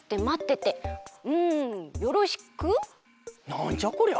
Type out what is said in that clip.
なんじゃこりゃ！？